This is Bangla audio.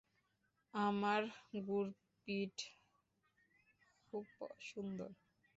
আমার গুরপ্রিট খুব সুন্দর।